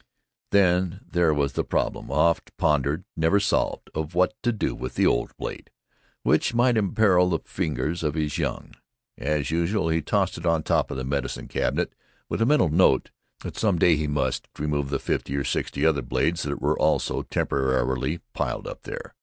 Then there was the problem, oft pondered, never solved, of what to do with the old blade, which might imperil the fingers of his young. As usual, he tossed it on top of the medicine cabinet, with a mental note that some day he must remove the fifty or sixty other blades that were also temporarily piled up there.